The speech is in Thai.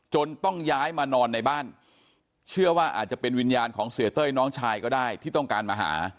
ต้องย้ายมานอนในบ้านเชื่อว่าอาจจะเป็นวิญญาณของเสียเต้ยน้องชายก็ได้ที่ต้องการมาหา